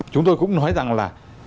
chúng tôi cũng nói rằng là